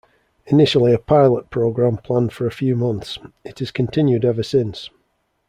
Initially a pilot program planned for a few months, it has continued ever since.